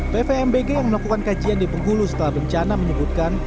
pvmbg yang melakukan kajian di bengkulu setelah bencana menyebutkan